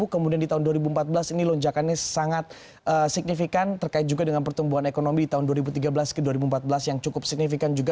kemudian di tahun dua ribu empat belas ini lonjakannya sangat signifikan terkait juga dengan pertumbuhan ekonomi di tahun dua ribu tiga belas ke dua ribu empat belas yang cukup signifikan juga